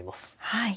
はい。